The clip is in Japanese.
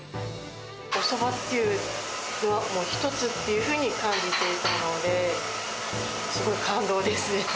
おそばっていうのは、一つというふうに感じていたので、すごい感動ですね。